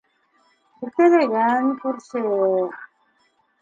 Иртәләгән күрше...